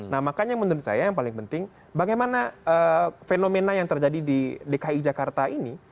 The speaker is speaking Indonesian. nah makanya menurut saya yang paling penting bagaimana fenomena yang terjadi di dki jakarta ini